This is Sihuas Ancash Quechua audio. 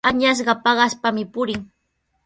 Añasqa paqaspami purin.